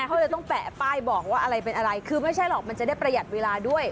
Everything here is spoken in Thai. เขาเลยต้องแปะป้ายบอกว่าอะไรเป็นอะไรคือไม่ใช่หรอกมันจะได้ประหยัดเวลาด้วย